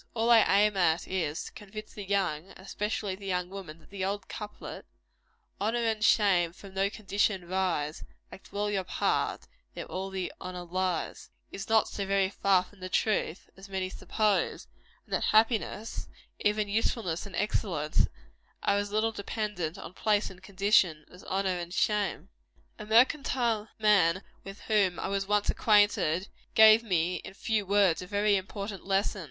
All I aim at is, to convince the young especially the young woman that the old couplet, "Honor and shame from no condition rise; Act well your part, there all the honor lies" is not so very far from the truth, as many suppose; and that happiness, and even usefulness and excellence, are as little dependent on place and condition, as honor and shame. A mercantile man with whom I was once acquainted, gave me, in few words, a very important lesson.